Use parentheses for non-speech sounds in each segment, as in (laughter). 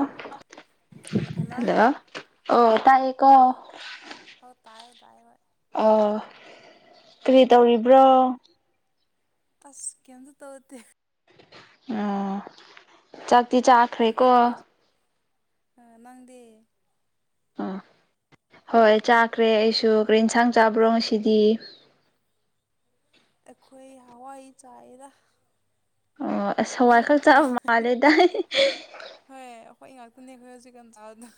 ꯑ ꯍꯜꯂꯣ ꯑꯣ ꯇꯥꯏꯌꯦ ꯀꯣ ꯥꯏ ꯍꯣꯏ ꯑ ꯀꯔꯤ ꯇꯧꯔꯤꯕ꯭ꯔꯣ ꯑꯁ ꯀꯗ ꯇꯧ ꯎ ꯆꯥꯛꯇꯤ ꯆꯥꯈ꯭ꯔꯦꯀꯣ ꯃꯥꯡꯗꯤꯦ ꯑꯥ ꯍꯣꯏ ꯆꯥꯈ꯭ꯔꯦ ꯑꯩꯁꯨ ꯀꯒꯥ ꯏꯟꯁꯥꯡ ꯆꯥꯕ꯭ꯔꯣ ꯁꯤꯗꯤ ꯑꯩꯈꯣꯏ ꯍꯋꯥꯏ ꯆꯥꯏꯔ ꯑꯣ ꯑꯁ ꯍꯋꯥꯏ ꯈꯔ ꯆꯥꯕ ꯃꯥꯜꯂꯦ ꯗꯥꯏ ꯍꯣꯏ ꯑꯩꯈꯣꯏ ꯉꯥꯛꯇꯅꯦ ꯑꯩꯈꯣꯏ ꯍꯧꯖꯤꯛꯀꯥꯟꯇꯥꯥꯗ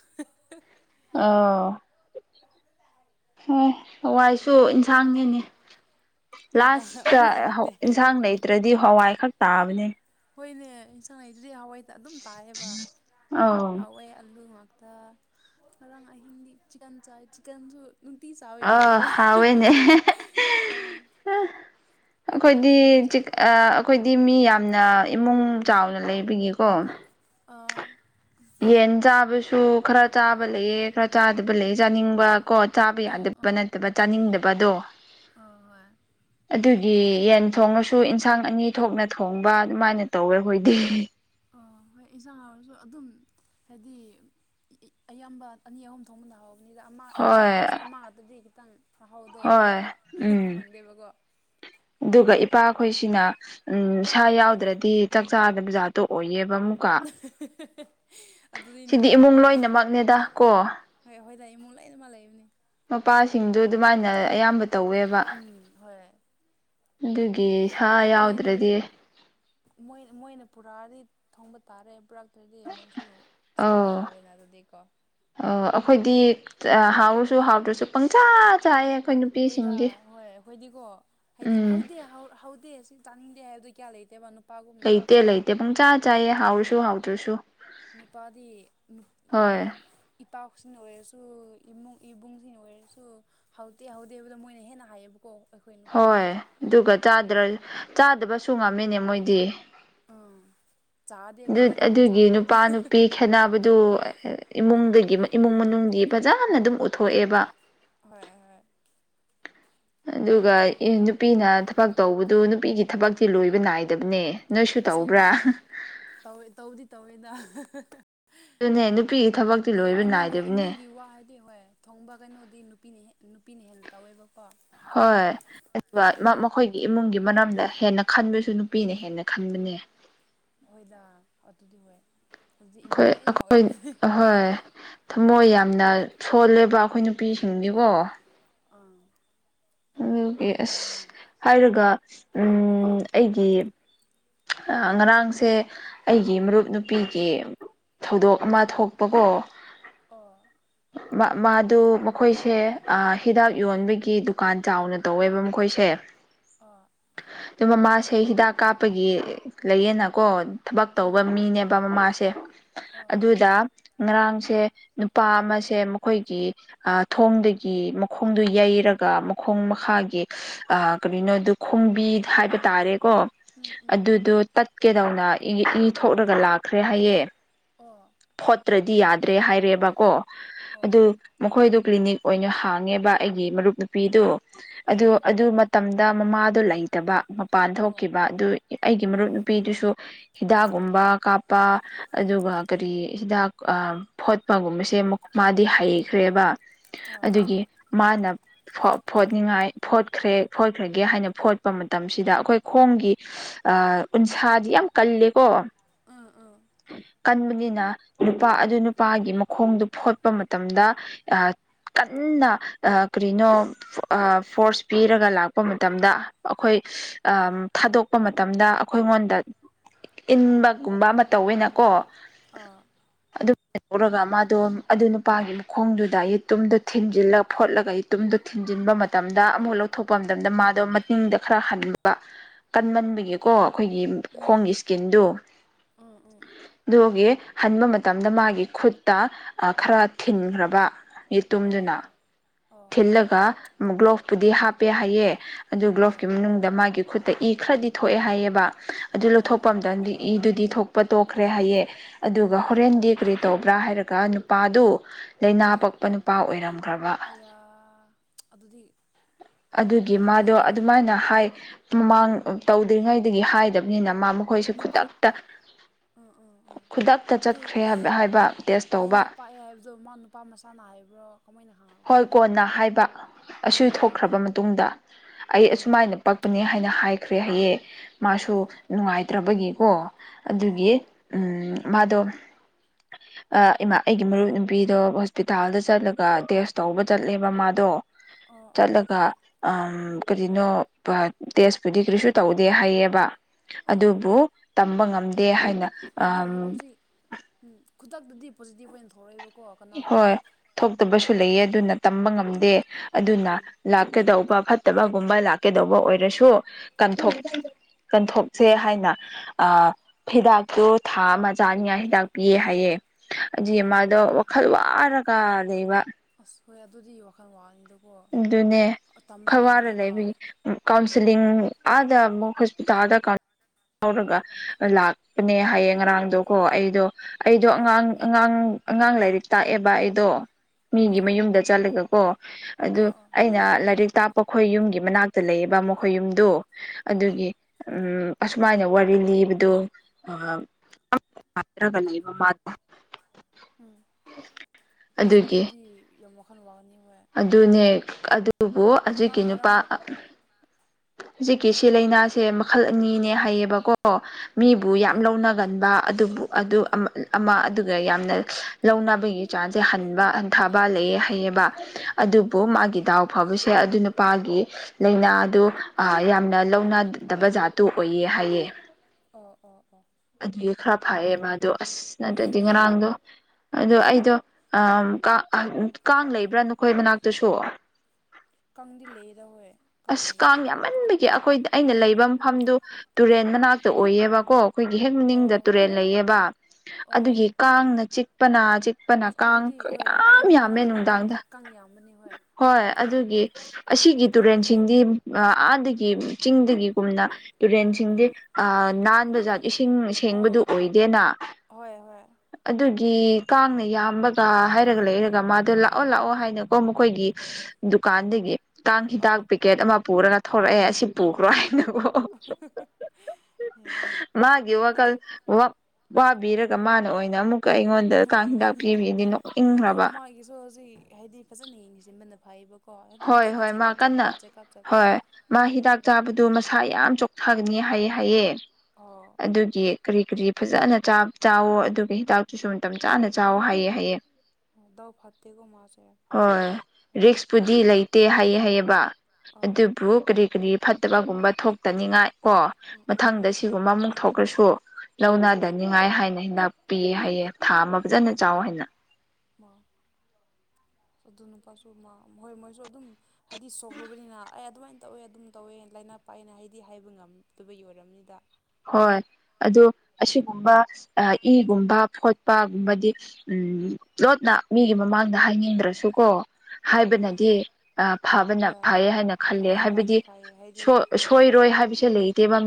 ꯑꯣ ꯍꯣꯏ ꯋꯥꯋꯥꯏꯁꯨ ꯑꯃꯅ ꯑꯦꯟꯁꯥꯡꯅꯤꯅꯦ ꯍꯣꯏꯗ ꯂꯥꯁꯇ ꯎꯄꯥꯏ ꯂꯩꯇꯦ ꯌꯦꯟꯁꯥꯡ ꯂꯩꯇ꯭ꯔꯗꯤ ꯍꯋꯥꯏ ꯈꯛ ꯇꯥꯕ ꯍꯣꯏꯅꯦ ꯏꯟꯁꯥꯡ ꯍꯗꯨꯗꯤ ꯍꯋꯥꯏꯗ ꯑꯗꯨꯝ ꯇꯥꯛꯑꯦꯕ ꯑꯧ ꯍꯋꯥꯏ ꯑꯥꯂꯨ ꯉꯥꯛꯇ ꯀꯪ ꯍꯤꯟꯗꯤ ꯆꯛꯟ ꯆꯥꯏ ꯆꯛꯟꯁꯨ ꯇꯤ ꯆꯥ ꯑꯣꯏ ꯑ ꯑꯗꯨꯕ ꯍꯥꯎꯋꯦꯅꯦ ꯑ ꯑꯩꯈꯣꯏꯗꯤ ꯑ ꯑꯩꯈꯣꯏꯗꯤ ꯃꯤ ꯌꯥꯝꯅ ꯏꯃꯨꯡ ꯆꯥꯎꯅ ꯂꯩꯕꯒꯤꯀꯣ ꯑꯥ ꯌꯦꯟ ꯆꯥꯕꯁꯨ ꯈꯔ ꯆꯥꯕ ꯂꯩꯑ ꯈꯔ ꯆꯥꯗꯕ ꯂꯩ ꯆꯥꯅꯤꯡꯕ ꯀꯣ ꯆꯥꯕ ꯌꯥꯗꯕ ꯆꯠꯄ ꯅꯠꯇꯕ ꯆꯥꯅꯤꯡꯗꯕꯗꯣ ꯑ ꯍꯣꯏ ꯑꯗꯨꯒꯤ ꯌꯦꯟ ꯊꯣꯡꯉꯁꯨ ꯏꯟꯁꯥꯡ ꯑꯅꯤ ꯊꯣꯛꯅ ꯊꯣꯡꯕ ꯑꯗꯨꯃꯥꯏꯅ ꯇꯧꯋꯦ ꯑꯩꯈꯣꯏꯗꯤ ꯑꯣ ꯍꯣꯏ ꯏꯟꯁꯥꯡ ꯍꯥꯏꯎꯔꯁꯨ ꯑꯗꯨꯝ ꯍꯥꯏꯗꯤ ꯑꯌꯥꯝꯕ ꯑꯅꯤ ꯑꯍꯨꯝ ꯊꯣꯛꯕ ꯂꯥꯛꯍꯥꯎ ꯑꯗ ꯑꯃ ꯑꯦꯟꯁꯥꯡ ꯍꯣꯏ ꯌꯥꯎꯔꯁꯨ ꯑꯃ ꯑꯗꯗꯤ ꯈꯤꯇꯪ ꯃꯍꯍꯥꯎꯗꯣ ꯍꯣꯏ ꯀꯌꯥ ꯎꯝ ꯈꯪꯗꯦꯕꯀꯣ ꯑꯗꯨꯒ ꯏꯄꯥꯈꯣꯏꯁꯤꯅ ꯎꯝ ꯁꯥ ꯌꯥꯎꯗ꯭ꯔꯗꯤ ꯆꯥꯛ ꯆꯥꯗ ꯕꯖꯥ ꯇꯣ ꯑꯣꯏꯌꯦꯕ ꯑꯃꯨꯛꯀ (unintelligible) ꯑꯗꯨꯗꯤ ꯁꯤꯗꯤ ꯏꯃꯨꯡ ꯅꯨꯡꯉꯥꯏꯌꯦ ꯂꯣꯏꯅꯃꯛꯅꯦꯗ ꯀꯣ ꯂꯩꯥꯏꯃꯨꯡ ꯂꯩ ꯑꯗꯨ ꯃꯥ ꯂꯩ ꯑꯩꯕꯅꯤ ꯃꯄꯥꯁꯤꯡꯗꯨ ꯑꯗꯨꯃꯥꯏꯅ ꯑꯌꯥꯝꯕ ꯇꯧꯋꯦꯕ ꯎꯝ ꯑꯗꯨꯒꯤ ꯁꯥ ꯌꯥꯎꯗ꯭ꯔꯗꯤ ꯑꯣꯏ ꯃꯣꯏꯅ ꯄꯨꯔꯥꯗꯤ ꯊꯣꯡꯕ ꯇꯥꯔꯦ ꯄꯨꯔꯥ ꯑꯗꯨꯩꯗꯤ ꯃꯣꯏꯁꯨ ꯁꯥꯎꯕꯤꯤ ꯑꯧ ꯌꯥꯥꯔꯦꯅ ꯑ ꯑꯗꯨꯗꯤ ꯀꯣ ꯑꯣ ꯑꯩꯈꯣꯏꯗꯤ ꯍꯥꯎꯔꯁꯨ ꯍꯥꯎꯗ꯭ꯔꯁꯨ ꯄꯪꯆꯥꯥ ꯆꯥ ꯍꯣꯏꯗ ꯍꯣꯏ ꯍꯣꯏꯗꯤꯀꯣ ꯍꯥꯏꯗꯤ ꯎꯝ ꯍꯧꯗꯦ ꯍꯧꯗꯦ ꯇꯅꯤꯡꯗꯦ ꯑꯗꯨ ꯀꯌꯥ ꯂꯩꯦ ꯃ ꯂꯩꯇꯦ ꯂꯩꯇꯦ ꯄꯨꯡ ꯆꯥ ꯆꯥꯏꯌꯦ ꯍꯥꯎꯔꯁꯨ ꯍꯥꯎꯗ꯭ꯔꯁꯨ ꯅꯨꯄꯥꯗꯤ ꯅꯨ ꯍꯣꯏ ꯏ ꯄꯄꯥꯛꯁꯤꯡꯅ ꯑꯣꯏꯔꯁꯨ ꯏꯃꯨꯡ ꯏꯕꯨꯡꯁꯤꯡ ꯑꯣꯏꯔꯁꯨ ꯍꯧꯗꯦ ꯍꯧꯗꯦꯕꯗ ꯃꯣꯏꯅ ꯍꯦꯟꯅ ꯍꯥꯏꯌꯦꯕ ꯍꯣꯏ ꯑꯗꯨꯒ꯭ꯔ ꯆꯥꯗꯕꯁꯨ ꯉꯝꯃꯤꯅꯦ ꯃꯣꯏꯗꯤ ꯆꯥꯗꯦ ꯑꯗꯨ ꯑꯩꯈꯣꯏ ꯍꯦꯟꯅ ꯑꯃꯨꯛ ꯑꯗꯨꯒꯤ ꯆꯥꯒꯗꯧꯕ ꯅꯨꯄꯥ ꯅꯨꯄꯤ ꯈꯦꯠꯅꯕꯗꯨ ꯏꯃꯨꯡꯗꯒꯤ ꯏꯃꯨꯡ ꯃꯅꯨꯡꯗꯤ ꯐꯖꯅ ꯑꯗꯨꯝ ꯎꯠꯊꯣꯛꯑꯦꯕ ꯍꯣꯏ ꯍꯣꯏ ꯑꯗꯨꯒ ꯅꯨꯄꯤꯅ ꯊꯕꯛ ꯇꯧꯕꯗꯨ ꯅꯨꯄꯤꯒꯤ ꯊꯕꯛꯇꯤ ꯂꯣꯏꯕ ꯅꯥꯏꯗꯕꯅꯦ ꯅꯣꯏꯁꯨ ꯑꯁꯦꯡ ꯇꯧꯕ꯭ꯔꯥ ꯇꯧꯦ ꯇꯧꯕꯗꯤ ꯇꯧꯋꯦꯗ ꯑꯗꯨꯅ ꯅꯨꯄꯤ ꯍ ꯏꯃꯨꯡꯒꯤ ꯏꯃꯨꯡꯒꯤ ꯋꯥ ꯍꯥꯏꯗꯤ ꯍꯣꯏ ꯊꯣꯡꯕ ꯀꯩꯅꯣꯗꯤ ꯅꯨꯄꯤꯅ ꯍꯦꯛ ꯅꯨꯄꯤꯅ ꯍꯦꯟꯅ ꯇꯧꯋꯦꯕ ꯍꯣꯏ ꯑꯗꯨꯒ ꯃꯈꯣꯏꯒꯤ ꯏꯃꯨꯡꯒꯤ ꯃꯅꯝꯗ ꯍꯦꯟꯅ ꯈꯟꯕꯁꯨ ꯅꯨꯄꯤꯅ ꯍꯦꯟꯅ ꯈꯟꯕꯅꯦ ꯍꯣꯏꯗ ꯑ ꯑꯗꯨꯗꯤ ꯍꯣꯏ ꯑꯗꯨꯗꯤ ꯏꯃꯨꯡ ꯑꯩꯈꯣꯏ ꯂꯣꯏꯅꯃꯛ ꯑꯣꯏꯔꯅꯤ ꯑꯩꯈꯣꯏ ꯍꯣꯏ ꯊꯝꯃꯣꯏ ꯌꯥꯝꯅ ꯁꯣꯜꯂꯦꯕ ꯑꯩꯈꯣꯏ ꯅꯨꯄꯤꯁꯤꯡꯗꯤꯀꯣ ꯍꯣꯏ ꯑꯥ ꯑꯗꯨ ꯑꯁ ꯑꯗꯨꯅꯤ ꯍꯥꯏꯔꯒ ꯎ ꯅꯨꯄꯥ ꯑꯩꯒꯤ ꯉꯔꯥꯡꯁꯦ ꯑꯩꯒꯤ ꯃꯔꯨꯞ ꯅꯨꯄꯤꯒꯤ ꯊꯧꯗꯣꯛ ꯑꯃ ꯊꯣꯛꯄꯀꯣ ꯑꯣ ꯃꯥꯗꯨ ꯃꯈꯣꯏꯁꯦ ꯍꯤꯗꯥꯛ ꯌꯣꯟꯕꯒꯤ ꯗꯨꯀꯥꯟ ꯆꯥꯎꯅ ꯇꯧꯋꯦꯕ ꯃꯈꯣꯏꯁꯦ ꯑꯣ ꯑꯗꯨ ꯃꯃꯥꯁꯦ ꯍꯤꯗꯥꯛ ꯀꯥꯞꯄꯒꯤ ꯂꯩꯌꯦꯅꯀꯣ ꯊꯕꯛ ꯎꯝ ꯇꯧꯕ ꯎꯝ ꯃꯤꯅꯦꯕ ꯃꯃꯥꯁꯦ ꯑꯣ ꯑꯗꯨꯗ ꯉꯔꯥꯡꯁꯦ ꯅꯨꯄꯥ ꯑꯃꯁꯦ ꯃꯈꯣꯏꯒꯤ ꯊꯣꯡꯗꯒꯤ ꯃꯈꯣꯡꯗꯨ ꯌꯩꯔꯒ ꯃꯈꯣꯡ ꯃꯈꯥꯒꯤ ꯑ ꯀꯔꯤꯅꯣ ꯑꯗꯨꯗꯨ ꯈꯣꯡꯕꯤ ꯍꯥꯏꯕ ꯇꯥꯔꯦꯀꯣ ꯎꯝ ꯎꯝ ꯑꯗꯨꯗꯣ ꯇꯠꯀꯦꯗꯧꯅ ꯏ ꯊꯣꯛꯂꯒ ꯂꯥꯛꯈ꯭ꯔꯦ ꯍꯥꯏꯌꯦ ꯑꯣ ꯐꯣꯠꯇ꯭ꯔꯗꯤ ꯌꯥꯗ꯭ꯔꯦ ꯍꯥꯏꯔꯦꯕꯀꯣ ꯑꯗꯨ ꯑꯣ ꯃꯈꯣꯏꯗꯨ ꯀ꯭ꯂꯤꯅꯤꯛ ꯑꯣꯏꯅ ꯍꯥꯡꯉꯦꯕ ꯑꯩꯒꯤ ꯃꯔꯨꯞ ꯅꯨꯄꯤꯗꯣ ꯑꯗꯨ ꯑꯣ ꯑꯗꯨ ꯃꯇꯝꯗ ꯃꯃꯥꯗ ꯂꯩꯇꯕ ꯃꯄꯥꯟ ꯑꯣ ꯊꯣꯛꯈꯤꯕ ꯑꯗꯨ ꯑꯩꯒꯤ ꯃꯔꯨꯞ ꯅꯨꯄꯤꯗꯨꯁꯨ ꯍꯤꯗꯥꯛꯀꯨꯝꯕ ꯀꯥꯞꯄ ꯑꯗꯨꯒ ꯀꯔꯤ ꯍꯤꯗꯥꯛ ꯐꯣꯠꯄꯒꯨꯝꯕꯁꯦ ꯃꯥꯗꯤ ꯍꯩꯈ꯭ꯔꯦꯕ ꯑꯥ ꯑꯗꯨꯒꯤ ꯃꯥꯅ ꯐꯣꯠꯅꯤꯡꯉꯥꯏ ꯐꯣꯠꯈ꯭ꯔꯦ ꯐꯣꯠꯈ꯭ꯔꯒꯦ ꯍꯥꯏꯅ ꯐꯣꯠꯄ ꯃꯇꯝꯁꯤꯗ ꯑꯩꯈꯣꯏ ꯈꯣꯡꯒꯤ ꯑ ꯎꯟꯁꯥꯗꯤ ꯌꯥꯝ ꯀꯜꯂꯦꯀꯣ ꯑꯥ ꯑꯥ ꯀꯟꯕꯅꯤꯅ ꯅꯨꯄꯥ ꯑꯗꯨ ꯅꯨꯄꯥꯒꯤ ꯃꯈꯣꯡꯗꯨ ꯐꯣꯠꯄ ꯃꯇꯝꯗ ꯀꯟꯅ ꯀꯔꯤꯅꯣ ꯐꯣꯔꯁ ꯄꯤꯔꯒ ꯂꯥꯛꯄ ꯃꯇꯝꯗ ꯑꯩꯈꯣꯏ ꯑ ꯊꯥꯗꯣꯛꯄ ꯃꯇꯝꯗ ꯑꯩꯈꯣꯏꯉꯣꯟꯗ ꯏꯟꯕꯒꯨꯝꯕ ꯑꯃ ꯇꯧꯋꯦꯅꯀꯣ ꯑꯣ ꯑꯗꯨꯃꯥꯏꯅ ꯇꯧꯔꯒ ꯃꯥꯗꯣ ꯑꯗꯨ ꯅꯨꯄꯥꯒꯤ ꯃꯈꯣꯡꯗꯨꯗ ꯌꯦ ꯇꯨꯝꯗꯣ ꯊꯤꯟꯖꯤꯜꯂ ꯐꯣꯠꯂꯒ ꯑꯩ ꯇꯨꯝꯗꯣ ꯊꯤꯟꯖꯤꯟꯕ ꯃꯇꯝꯗ ꯑꯃꯨꯛ ꯂꯧꯊꯣꯛꯄ ꯃꯇꯝꯗ ꯃꯥꯗꯣ ꯃꯇꯤꯡꯗ ꯈꯔ ꯍꯟꯕ ꯀꯟꯃꯟꯕꯒꯤꯀꯣ ꯑꯩꯈꯣꯏꯒꯤ ꯈꯣꯡ ꯎꯝ ꯏꯁꯀꯤꯟꯗꯨ ꯎꯝ ꯎꯝ ꯑꯗꯨꯒꯤ ꯍꯟꯕ ꯃꯇꯝꯗ ꯃꯥꯒꯤ ꯈꯨꯠꯇ ꯈꯔ ꯊꯤꯟꯈ꯭ꯔꯕ ꯌꯦꯇꯨꯝꯗꯨꯅ ꯑꯣ ꯑꯣ ꯊꯤꯜꯂꯒ ꯒ꯭ꯂꯣꯚꯄꯨꯗꯤ ꯍꯥꯞꯄꯦ ꯍꯥꯏꯌꯦꯦ ꯑꯗꯨ ꯑꯣ ꯒ꯭ꯂꯣꯚꯀꯤ ꯃꯅꯨꯡꯗ ꯃꯥꯒꯤ ꯈꯨꯠ ꯑ ꯏ ꯈꯔꯗꯤ ꯊꯣꯛꯑꯦ ꯍꯥꯏꯑꯕ ꯑꯗꯨ ꯑꯣ ꯂꯧꯊꯣꯛꯄ ꯑꯣ ꯑꯝꯇꯪꯗꯤ ꯏꯗꯨꯗꯤ ꯊꯣꯛꯄ ꯇꯣꯛꯈ꯭ꯔꯦ ꯍꯥꯏꯑꯦ ꯑꯗꯨꯒ ꯑꯣ ꯍꯣꯔꯦꯟꯗꯤ ꯀꯔꯤ ꯇꯧꯕ꯭ꯔꯥ ꯍꯥꯏꯔꯒ ꯅꯨꯄꯥꯗꯨ ꯂꯥꯏꯅꯥ ꯎꯝ ꯄꯛꯄ ꯅꯨꯄꯥ ꯑꯣꯏꯔꯝꯈ꯭ꯔꯕ ꯑꯌꯥ ꯑꯗꯨꯗꯤ ꯑꯗꯨꯒꯤ ꯃꯥꯗꯣ ꯑꯗꯨꯗꯤ ꯀꯃꯥꯏꯅ ꯑꯗꯨꯃꯥꯏꯅ ꯍꯥꯏ ꯃꯃꯥꯡ ꯇꯧꯗ꯭ꯔꯤꯉꯩꯗꯒꯤ ꯍꯥꯏꯗꯕꯅꯤꯅ ꯃꯥ ꯃꯈꯣꯏꯁꯨ ꯅꯨꯄꯥ ꯈꯨꯗꯛꯇ ꯑꯥ ꯑꯥ ꯑꯥ ꯈꯨꯗꯛꯇ ꯑꯗꯨ ꯆꯠꯈ꯭ꯔꯦ ꯍꯥꯏꯕ ꯇꯦꯁ ꯇꯧꯕ ꯑꯗꯣ ꯃꯥ ꯅꯨꯄꯥ ꯃꯆꯥꯅ ꯍꯥꯏꯕ꯭ꯔꯣ ꯀꯃꯥꯏꯅ ꯍꯣꯏ ꯈꯪꯉꯛꯄ꯭ꯔꯣꯅꯦ ꯀꯣꯟꯅ ꯍꯥꯏꯕ ꯑꯣꯏ ꯑꯌꯥ ꯊꯣꯛꯈ꯭ꯔꯕ ꯃꯇꯨꯡꯗ ꯑꯩ ꯑꯧ ꯑꯁꯨꯃꯥꯏꯅ ꯄꯛꯄꯅꯦ ꯍꯥꯏꯅ ꯍꯥꯏ ꯈ꯭ꯔꯦ ꯍꯌꯦꯡ ꯃꯥꯁꯨ ꯑꯧ ꯅꯨꯡꯉꯥꯏꯇ꯭ꯔꯕꯒꯤꯀꯣ ꯎꯝ ꯑꯗꯨꯒꯤ ꯃꯥꯗꯣ ꯏꯃꯥ ꯑꯩꯒꯤ ꯃꯔꯨꯞ ꯅꯨꯄꯤꯗꯣ ꯍꯣꯁꯄꯤꯇꯥꯜꯗ ꯆꯠꯂꯒ ꯇꯦꯁ ꯇꯧꯕ ꯆꯠꯂꯦꯕ ꯃꯥꯗꯣ ꯑꯣ ꯑꯣ ꯆꯠꯂꯒ ꯀꯔꯤꯅꯣ ꯇꯦꯁꯄꯨꯗꯤ ꯀꯔꯤꯁꯨ ꯇꯧꯗꯦ ꯍꯥꯏꯌꯦꯕ ꯑꯣ ꯑꯗꯨꯕꯨ ꯇꯝꯕ ꯉꯝꯗꯦ ꯍꯥꯏꯅ ꯑ ꯍꯥꯏꯗꯤ ꯍꯧ- ꯍꯧꯖꯤꯛ ꯎꯝ, ꯈꯨꯗꯛꯇꯗꯤ ꯄꯣꯖꯤꯇꯤꯕ ꯑꯣꯏꯅ ꯊꯣꯛꯂꯛꯏꯕ ꯍꯣꯏ ꯊꯣꯛꯇꯕꯁꯨ ꯂꯩꯑ ꯑꯗꯨꯅ ꯇꯝꯕ ꯉꯝꯗꯦ ꯑꯗꯨꯅ ꯎꯝ ꯂꯥꯛꯀꯗꯧꯕ ꯐꯠꯇꯕꯒꯨꯝꯕ ꯂꯥꯛꯀꯗꯧꯕ ꯑꯣꯏꯔꯁꯨ ꯎꯝ ꯀꯟꯊꯣꯛ ꯀꯟꯊꯣꯛ ꯁꯦ ꯍꯥꯏꯅ ꯑ ꯍꯤꯗꯥꯛꯇꯨ ꯊꯥ ꯑꯃ ꯆꯥꯅꯤꯉꯥꯏ ꯍꯤꯗꯥꯛ ꯄꯤꯌꯦ ꯍꯥꯏꯌꯦ ꯑꯗꯨ ꯑꯣ ꯃꯥꯗꯣ ꯋꯥꯈꯜ ꯋꯥꯔꯒ ꯂꯩꯕ ꯑꯁ ꯍꯣꯏ ꯑꯗꯨꯗꯤ ꯋꯥꯈꯜ ꯋꯥꯅꯤꯗ ꯑꯗꯨꯅꯦ ꯈꯋꯥꯔꯗ ꯂꯩꯕꯤ ꯥꯎꯂꯤ ꯑꯗꯁꯄꯤ ꯑꯗ ꯀꯥꯎ ꯌꯥꯔꯒ ꯂꯥꯛꯄꯅꯦ ꯍꯥꯏꯌꯦ ꯉꯔꯥꯡꯗꯣ ꯀꯣ ꯑꯩꯗꯣ ꯑꯩꯗꯣ ꯑꯥ ꯑꯉꯥꯡ ꯑꯥ ꯑꯉꯥꯡ ꯑꯉꯥꯡ ꯂꯥꯏꯔꯤꯛ ꯇꯥꯛꯑꯦꯕ ꯑꯩꯗꯣ ꯃꯤꯒꯤ ꯑꯥ ꯃꯌꯨꯝꯗ ꯆꯠꯂꯒꯀꯣ ꯑꯗꯨ ꯑꯥ ꯑꯥ ꯑꯩꯅ ꯂꯥꯏꯔꯤꯛ ꯇꯥꯛꯄ ꯈꯣꯏ ꯌꯨꯝꯒꯤ ꯃꯅꯥꯛꯇ ꯂꯩꯌꯦꯕ ꯃꯈꯣꯏ ꯌꯨꯝꯗꯣ ꯑꯥ ꯑꯗꯨꯒꯤ ꯎꯝ ꯑꯁꯨꯃꯥꯏꯅ ꯋꯥꯔꯤ ꯂꯤꯕꯗꯣꯔꯒ ꯂꯩꯕ ꯃꯥꯗ ꯎꯝ ꯑꯁ ꯑꯗꯨꯒꯤ ꯑꯗꯨꯗꯤ ꯌꯥꯝ ꯋꯥꯈꯜ ꯋꯥꯅꯤ ꯑꯗꯨꯅꯦ ꯑꯗꯨꯕꯨ ꯃꯥ ꯍꯧꯖꯤꯛꯀꯤ ꯅꯨꯄꯥ ꯉꯔꯥꯡ ꯍꯧꯖꯤꯛꯀꯤ ꯁꯤ ꯂꯥꯏꯅꯥꯁꯦ ꯃꯈꯜ ꯑꯅꯤꯅꯦ ꯍꯥꯏꯌꯦꯕꯀꯣ ꯃꯤꯕꯨ ꯌꯥꯝ ꯑꯌꯥ ꯂꯧꯅꯒꯟꯕ ꯑꯗꯨꯕꯨ ꯑꯗꯨ ꯑꯃ ꯑꯗꯨꯒ ꯌꯥꯝꯅ ꯂꯧꯅꯕꯒꯤ ꯆꯥꯟꯁꯦ ꯍꯟꯕ ꯍꯟꯊꯕ ꯂꯩ ꯍꯥꯏꯩꯌꯦꯕ ꯑꯗꯨꯕꯨ ꯑꯣ ꯃꯥꯒꯤ ꯗꯥꯎ ꯐꯕꯁꯦ ꯑꯗꯨꯅ ꯅꯨꯄꯥꯒꯤ ꯂꯥꯏꯅꯥ ꯑꯗꯨ ꯌꯥꯝꯅ ꯂꯧꯅꯗꯕ ꯖꯥꯠꯇꯨ ꯑꯣꯏꯌꯦ ꯍꯥꯏꯌꯦ ꯑꯣ ꯑꯣ ꯑꯣ ꯑꯗꯨꯒꯤ ꯈꯔ ꯐꯥꯏꯌꯦꯦꯕ ꯑꯗꯣ ꯑꯁ ꯅꯠꯇ꯭ꯔꯗꯤ ꯉꯔꯥꯡꯗꯣ ꯑꯗꯣ ꯑꯩꯗꯣ ꯑꯝ ꯀ ꯀꯥꯡ ꯂꯩꯕ꯭ꯔꯥ ꯅꯈꯣꯏ ꯃꯅꯥꯛꯇꯁꯨ ꯀꯪꯗꯤ ꯂꯩꯌꯦꯗ ꯍꯣꯏ ꯑꯁ ꯀꯥꯡ ꯌꯥꯝꯃꯟꯕꯒꯤ ꯑꯩꯈꯣꯏ ꯑꯩꯅ ꯂꯩꯕ ꯃꯐꯝꯗꯨ ꯇꯨꯔꯦꯟ ꯃꯅꯥꯛꯇ ꯑꯣꯏꯌꯦꯕꯀꯣ ꯑꯩꯈꯣꯏꯒꯤ ꯍꯦꯛ ꯃꯅꯤꯡꯗ ꯑꯣ ꯇꯨꯔꯦꯜ ꯂꯩꯌꯦꯕ ꯑꯣ ꯑꯗꯨꯒꯤ ꯀꯥꯡꯅ ꯆꯤꯛꯄꯅ ꯆꯤꯛꯄꯅ ꯑꯁ ꯀꯥꯡ ꯑꯗꯨꯗꯤ ꯍꯣꯏ ꯌꯥꯝ ꯇꯨꯔꯦꯟ ꯌꯥꯝꯃꯦ ꯃꯅꯥꯛꯇꯗꯤ ꯀꯥꯡ ꯅꯨꯡꯗꯥꯡꯗ ꯀꯥꯡ ꯌꯥꯝꯕꯅꯤ ꯍꯣꯏ ꯀꯥꯡ ꯑꯗꯨꯒꯤ ꯌꯥꯝꯕꯅꯤ ꯑꯁꯤ ꯒꯤ ꯇꯨꯔꯦꯟꯁꯤꯡꯗꯤ ꯑꯥꯗꯒꯤ ꯆꯤꯡꯗꯒꯤꯒꯨꯝꯅ ꯇꯨꯔꯦꯟꯁꯤꯡꯗꯤ ꯑꯥ ꯅꯥꯟꯕꯖꯥꯠ ꯏꯁꯤꯡ ꯑꯣ ꯁꯦꯡꯕꯗꯨ ꯑꯣꯏꯗꯦꯅꯥ ꯍꯣꯏ ꯍꯣꯏ ꯑꯗꯨ ꯒꯤ ꯀꯥꯡꯅ ꯌꯥꯝꯕꯒ ꯍꯥꯏꯔꯒ ꯂꯩꯔꯒ ꯃꯥꯗꯣ ꯂꯥꯛꯑꯣ ꯂꯥꯛꯑꯣ ꯍꯥꯏꯅꯀꯣ ꯃꯈꯣꯏꯒꯤ ꯗꯨꯞ ꯗꯨꯀꯥꯟꯗꯒꯤ ꯀꯥꯡ ꯑꯣ ꯍꯤꯗꯥꯛ ꯄꯦꯛꯀꯦꯠ ꯑꯃ ꯄꯨꯔꯒ ꯊꯣꯔꯛꯑꯦ ꯑꯁꯤ ꯄꯨꯈ꯭ꯔꯣ ꯑꯣ ꯍꯥꯏꯅꯀꯣ ꯑꯦ ꯃꯥꯒꯤ ꯑꯗꯣ ꯋꯥꯈꯜ ꯋꯥ ꯋꯥꯕꯤꯔꯒ ꯃꯥꯅ ꯑꯣꯏꯅ ꯑꯃꯨꯛ ꯑꯗꯨ ꯅꯣꯛꯅꯤꯡꯈ꯭ꯔꯕ ꯃꯥꯒꯤꯁꯨ ꯍꯧꯖꯤꯛ ꯍꯥꯏꯗꯤ ꯐꯖꯅ ꯌꯦꯡꯖꯤꯟꯕꯅ ꯐꯩꯌꯦꯕ ꯍꯣꯏ ꯍꯣꯏ ꯃꯥ ꯀꯟꯅ ꯆꯠꯄ ꯍꯣꯏ ꯃꯥ ꯎꯝ ꯍꯤꯗꯥꯛ ꯆꯥꯕꯗꯨ ꯃꯁꯥ ꯌꯥꯝ ꯆꯣꯛꯊ ꯒꯅꯤ ꯍꯥꯏꯌꯦ ꯍꯥꯏꯌꯦ ꯑꯣ ꯑꯗꯨꯒꯤ ꯀꯔꯤ ꯀꯔꯤ ꯐꯖꯅ ꯆꯥꯞ ꯆꯥꯋꯣ ꯑꯗꯨꯒ ꯍꯤꯗꯥꯛꯇꯨꯁꯨ ꯃꯇꯝ ꯆꯥꯅ ꯆꯥꯋꯣ ꯍꯥꯏꯌꯦ ꯍꯥꯏꯌꯦ ꯗꯧ ꯐꯠꯇꯀꯦ ꯃꯥꯁꯨ ꯀꯗꯤ ꯂꯩꯇꯦ ꯍꯥꯏꯌꯦ ꯍꯥꯏꯌꯦꯕ ꯑꯥ ꯑꯗꯨꯕꯨ ꯀꯔꯤ ꯀꯔꯤ ꯐꯠꯇꯕꯒꯨꯝꯕ ꯊꯣꯛꯇꯅꯤꯡꯉꯥꯏ ꯀꯣ ꯎꯝ ꯎꯝ ꯃꯊꯪꯗ ꯎꯝ ꯁꯤꯒꯨꯝꯕ ꯑꯃꯨꯛ ꯊꯣꯛꯂꯁꯨ ꯎꯝ ꯂꯧꯅꯗꯅꯤꯡꯉꯥꯏ ꯍꯥꯏꯅ ꯍꯤꯗꯥꯛ ꯄꯤꯌꯦ ꯍꯥꯏꯌꯦ ꯊꯥ ꯑꯃ ꯎꯝ ꯐꯖꯅ ꯆꯥꯎ ꯍꯥꯏꯅ ꯃꯥ ꯑꯗꯨ ꯅꯨꯄꯥꯁꯨ ꯃꯥ ꯍꯣꯏ ꯃꯣꯏꯁꯨ ꯑꯗꯨꯝ ꯍꯥꯏꯗꯤ ꯁꯣꯛꯈ꯭ꯔꯕꯅꯤꯅ ꯑꯩ ꯑꯗꯨꯃꯥꯏ ꯇꯧꯋꯦ ꯑꯗꯨꯝ ꯇꯧꯋꯦ ꯂꯩꯅꯥ ꯄꯛꯑꯦꯅ ꯍꯥꯏ ꯍꯣꯏ ꯑꯗꯨ ꯑꯁꯤꯒꯨꯝꯕ ꯏꯒꯨꯝꯕ ꯐꯣꯠꯄꯒꯨꯝꯕꯗꯤ ꯎꯝ ꯂꯣꯠꯅ ꯃꯤꯒꯤ ꯃꯃꯥꯡꯗ ꯍꯥꯏꯅꯤꯡꯗ꯭ꯔꯁꯨꯀꯣ ꯍꯥꯏꯕꯅꯗꯤ ꯎꯝ ꯑ ꯐꯕꯅ ꯍꯣꯏ ꯐꯩꯌꯦ ꯍꯥꯏꯅ ꯈꯜꯂꯦ ꯍꯣꯏ ꯐꯗꯤ ꯍꯥꯏꯕꯗꯤ ꯐꯩꯌꯦ ꯍꯥꯏꯗꯤ ꯁꯣ ꯁꯣꯏꯔꯣꯏ ꯍꯥꯏꯕꯁꯦ ꯂꯩꯇꯦꯕ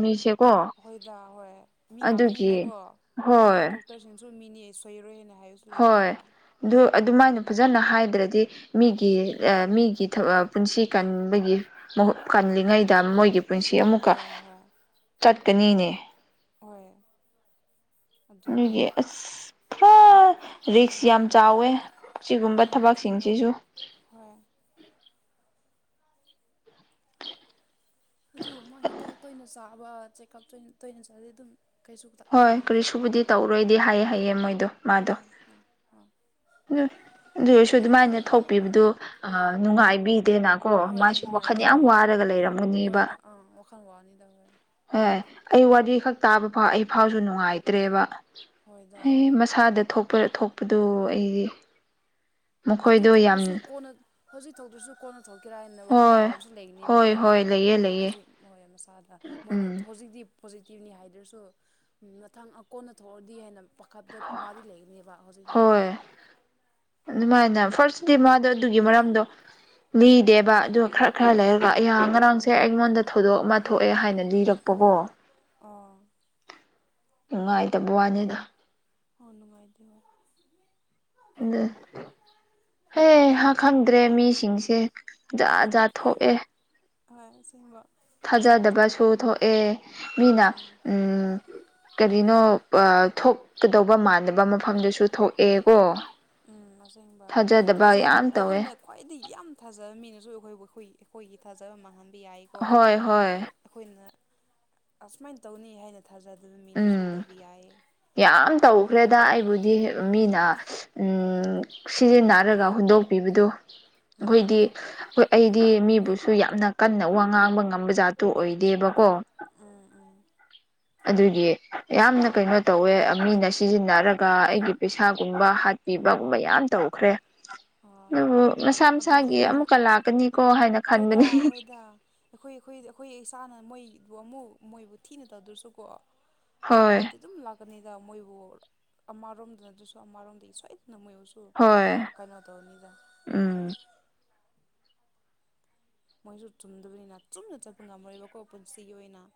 ꯍꯣꯏꯗ ꯍꯣꯏ ꯃꯤ ꯑꯗꯨꯒꯤ ꯉꯥꯛꯇꯅꯤꯅꯀꯣ ꯍꯣꯏ ꯗꯣꯛꯇꯔꯁꯤꯡꯁꯨ ꯃꯤꯅꯤ ꯁꯣꯏꯔꯣꯏ ꯍꯥꯏꯅ ꯍꯥꯏꯕꯁꯨ ꯍꯣꯏ ꯂꯩꯇꯦꯕ ꯑꯗꯨ ꯑꯗꯨꯃꯥꯏꯅ ꯐꯖꯅ ꯍꯥꯏꯗ꯭ꯔꯗꯤ ꯃꯤꯒꯤ ꯔ ꯃꯤꯒꯤ ꯄꯨꯟꯁꯤ ꯀꯟꯕꯒꯤ ꯃꯍꯨꯠ ꯀꯜꯂꯤꯉꯩꯗ ꯃꯣꯏꯒꯤ ꯄꯨꯟꯁꯤ ꯑꯃꯨꯛꯀ ꯍꯣꯏ ꯍꯣꯏ ꯆꯠꯀꯅꯤꯅꯦ ꯍꯣꯏ ꯑꯗꯨꯅꯦ ꯑꯗꯨꯒꯤ ꯑꯁ ꯄꯨꯔꯥ ꯔꯤꯛꯁ ꯌꯥꯝ ꯆꯥꯎꯋꯦ ꯁꯤꯒꯨꯝꯕ ꯑꯥ ꯑꯁꯦꯡꯕ ꯊꯕꯛꯁꯤꯡꯁꯤꯁꯨ ꯍꯣꯏ ꯑꯗꯨ ꯃꯥ ꯍꯤꯗꯥꯛ ꯇꯣꯏꯅ ꯆꯥꯕ ꯆꯦꯛꯀꯞ ꯇꯣꯏ ꯇꯣꯏꯅ ꯆꯠꯂꯗꯤ ꯑꯗꯨꯝ ꯀꯩꯁꯨ ꯍꯣꯏ ꯇꯧꯔꯣꯏꯗ ꯀꯔꯤꯁꯨꯕꯨꯗꯤ ꯇꯧꯔꯣꯏꯗꯤ ꯍꯥꯏꯌꯦ ꯍꯥꯏꯌꯦ ꯃꯣꯏꯗꯣ ꯃꯥꯗꯣ ꯑ ꯑ ꯑ ꯑꯗꯨ ꯑꯣꯏꯔꯁꯨ ꯑꯗꯨꯃꯥꯏꯅ ꯊꯣꯛꯄꯤꯕꯗꯨ ꯑ ꯅꯨꯡꯉꯥꯏꯕꯤ ꯗꯦꯅ ꯀꯣ ꯍꯣꯏ ꯃꯥꯁꯨ ꯋꯥꯈꯜ ꯅꯨꯡꯉꯥꯏꯗꯦ ꯌꯥꯝ ꯍꯣꯏ ꯋꯥꯔꯒ ꯂꯩꯔꯝꯒꯅꯤꯕ ꯍꯣꯏꯗ ꯑꯥ ꯋꯥꯈꯜ ꯋꯥꯅꯤꯗ ꯍꯣꯏ ꯍꯣꯏ ꯑꯩ ꯋꯥꯔꯤ ꯈꯛ ꯇꯥꯕ ꯐꯥꯎ ꯑꯩ ꯐꯥꯎꯁꯨ ꯅꯨꯡꯉꯥꯏꯇ꯭ꯔꯦꯕ ꯍꯣꯏꯗ ꯑꯦ ꯍꯣꯏ ꯃꯁꯥꯗ ꯊꯣꯛ ꯄ ꯊꯣꯛꯄꯗꯨ ꯑꯩꯗꯤ ꯍꯧꯖꯤꯛ ꯃꯈꯣꯏꯗꯣ ꯌꯥꯝ ꯊꯣꯛꯇ꯭ꯔꯁꯨ ꯀꯣꯟꯅ ꯍꯧꯖꯤꯛ ꯊꯣꯛꯇ꯭ꯔꯁꯨ ꯀꯣꯟꯅ ꯊꯣꯛꯀꯦꯔꯥ ꯍꯥꯏꯅ ꯋꯥꯈꯜ ꯍꯣꯏ ꯋꯥꯕꯁꯨ ꯍꯣꯏ ꯂꯩꯒꯅꯦꯕꯀꯣ ꯍꯣꯏ ꯂꯩꯌꯦ ꯃꯥ ꯂꯩꯌꯦ ꯍꯧꯖꯤꯛ ꯃꯣꯏ ꯃꯁꯥꯗ ꯃꯣꯏꯅ ꯎꯝ ꯍꯧꯖꯤꯛꯇꯤ ꯄꯣꯖꯤꯇꯤꯕꯅꯤ ꯍꯥꯏꯗ꯭ꯔꯁꯨ ꯃꯊꯪ ꯑꯀꯣꯟꯅ ꯊꯣꯛꯑꯗꯤ ꯍꯥꯏꯅ ꯄꯥꯈꯠꯄ ꯑꯃꯗꯤ ꯂꯩꯒꯅꯦꯕ ꯍꯧꯖꯤꯛꯐꯥꯎ ꯍꯣꯏ ꯑꯗꯨꯃꯥꯏꯅ ꯐꯔꯁꯗꯤ ꯃꯥꯗꯣ ꯑꯗꯨꯒꯤ ꯃꯔꯝꯗꯣ ꯂꯤꯗꯦꯕ ꯑꯗꯣ ꯈꯔ ꯈꯔ ꯑꯣ ꯂꯩꯔꯒ ꯑꯩꯌꯥ ꯉꯔꯥꯡꯁꯦ ꯑꯩꯉꯣꯟꯗ ꯊꯧꯗꯣꯛ ꯑꯃ ꯊꯣꯛꯑꯦ ꯍꯥꯏꯅ ꯂꯤꯔꯛꯄꯀꯣ ꯑꯥ ꯅꯨꯡꯉꯥꯏꯇꯕ ꯋꯥꯅꯤꯗ ꯍꯃꯥꯏꯗ ꯑ ꯍ ꯈꯪꯗ꯭ꯔꯦ ꯃꯤꯁꯤꯡꯁꯦ ꯖꯠ ꯖꯥꯠ ꯊꯣꯛ ꯍ ꯁꯤꯦꯡꯕꯣ ꯊꯥꯖꯗꯕꯁꯨ ꯊꯣꯛꯑꯦ ꯃꯤꯅ ꯎꯝ ꯀꯔꯤꯅꯣ ꯊꯣꯛꯀꯗꯧꯕ ꯃꯥꯟꯅꯕ ꯃꯐꯝꯗꯨꯁꯨ ꯊꯣꯛꯑꯦ ꯀꯣ ꯎꯝ ꯑꯁꯦꯡꯕ ꯊꯥꯖ ꯇꯧꯋꯦ ꯑꯩꯈꯣꯏꯅ ꯈ꯭ꯋꯥꯏꯗꯒꯤꯩ ꯌꯥꯝ ꯊꯥꯖꯕ ꯃꯤꯅꯁꯨ ꯑꯩꯈꯣꯏ ꯑꯩꯈꯣꯏ ꯑꯩꯈꯣꯏꯒꯤ ꯊꯥꯖꯕ ꯃꯥꯡꯍꯟꯕ ꯌꯥꯏꯀꯣ ꯍꯣꯏ ꯍꯣꯏ ꯑꯩꯈꯣꯏꯅ ꯑꯁꯨꯃꯥꯏꯅ ꯇꯧꯅꯤ ꯍꯥꯏꯅ ꯊꯥꯖꯗꯕ ꯃꯤꯅꯁꯨ ꯎꯝ ꯇꯧꯕ ꯌꯥꯏꯌꯦ ꯌꯥꯝ ꯇꯧꯈ꯭ꯔꯦꯗ ꯑꯩꯕꯨꯗꯤ ꯃꯤꯅ ꯁꯤꯖꯤꯟꯅꯔꯒ ꯍꯨꯟꯗꯣꯛꯄꯤꯕꯗꯨ ꯑꯥ ꯑꯩꯈꯣꯏꯗꯤ ꯑꯩꯈꯣꯏ ꯑꯩ ꯗꯤ ꯃꯤꯕꯨꯁꯨ ꯌꯥꯝꯅ ꯀꯟꯅ ꯋꯥ ꯉꯥꯡꯕ ꯉꯝꯕ ꯖꯥꯠꯇꯨ ꯑꯣꯏꯗꯦꯕꯀꯣ ꯎꯝ ꯎꯝ ꯑꯗꯨꯗꯤ ꯌꯥꯝꯅ ꯀꯩꯅꯣ ꯇꯧꯋꯦ ꯃꯤꯅ ꯁꯤꯖꯤꯟꯅꯔꯒ ꯑꯩꯒꯤ ꯄꯩꯁꯥꯒꯨꯝꯕ ꯄꯤꯕꯒꯨꯝꯕ ꯌꯥꯝ ꯇꯧꯈ꯭ꯔꯦ ꯑꯣ ꯑꯗꯨꯕꯨ ꯃꯁꯥ ꯃꯁꯥꯒꯤ ꯑꯗꯨꯗꯤ ꯑꯃꯨꯛ ꯑꯃꯨꯛꯀ ꯂꯥꯛꯀꯅꯤꯀꯣ ꯍꯥꯏꯅ ꯍꯣꯏꯗ ꯈꯟꯕꯅꯤ ꯍꯣꯏꯗ ꯑꯩꯈꯣꯏ ꯑꯩꯈꯣꯏ ꯑꯩꯈꯣꯏ ꯏꯁꯥꯅ ꯃꯣꯏꯕꯨ ꯑꯃꯨꯛ ꯃꯣꯏꯕꯨ ꯊꯤꯅ ꯇꯧꯗ꯭ꯔꯁꯨꯀꯣ ꯍꯣꯏ ꯑꯃꯥꯗꯤ ꯑꯗꯨꯝ ꯂꯥꯛ ꯀꯀꯅꯤꯗ ꯃꯣꯏꯕꯨ ꯑꯃꯔꯣꯝꯗꯅ ꯑꯗꯨꯁꯨ ꯑꯃꯔꯣꯝꯗ ꯁꯣꯏꯗꯅ ꯃꯣꯏꯕꯨꯁꯨ ꯍꯣꯏ ꯀꯩꯅꯣ ꯇꯧꯅꯤꯗ ꯎꯝ ꯃꯣꯏꯁꯨ ꯆꯨꯝꯗꯕꯅꯤꯅ ꯆꯨꯝꯅ ꯆꯠꯄ ꯉꯝꯃꯣꯏꯕꯀꯣ ꯄꯨꯟꯁꯤꯒꯤ ꯑꯣꯏꯅ